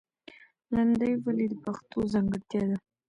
لندۍ ولې د پښتو ځانګړتیا ده؟